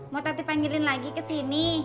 mau takti panggilin lagi ke sini